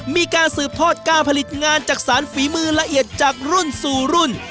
มีการสืบทอดการผลิตงานจักษานฝีมือละเอียดจากรุ่นสู่รุ่น